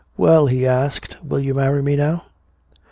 "Well?" he asked. "Will you marry me now?"